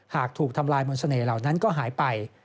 ถูกทำลายมนต์เสน่หล่านั้นก็หายไป